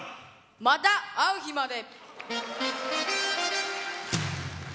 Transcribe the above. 「また逢う日まで」。